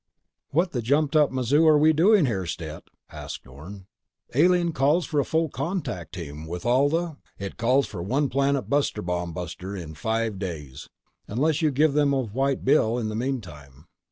"What the jumped up mazoo are we doing here, Stet?" asked Orne. "Alien calls for a full contact team with all of the—" "It calls for one planet buster bomb ... buster—in five days. Unless you give them a white bill in the meantime.